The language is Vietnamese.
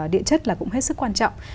địa chất là cũng hết sức quan trọng